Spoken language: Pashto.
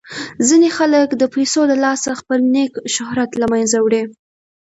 ځینې خلک د پیسو د لاسه خپل نیک شهرت له منځه وړي.